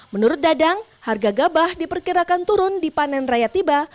menurut dadang harga gabah diperkirakan turun di panen raya tiba